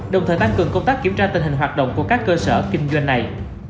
đồng thời tăng cường công tác kiểm tra tình hình hoạt động của các cơ sở kinh doanh này